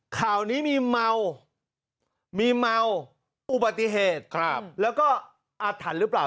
ข่าวนี้มีเมามีเมาอุบัติเหตุแล้วก็อาถรรพ์หรือเปล่า